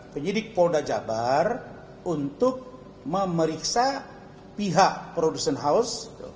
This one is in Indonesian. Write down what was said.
penyidik polda jabar untuk memeriksa pihak produsen house